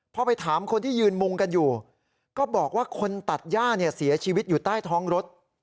พอไปถามคนที่ยืนมุงกันอยู่ก็บอกว่าคนตัดย่าเนี่ยเสียชีวิตอยู่ใต้ท้องรถ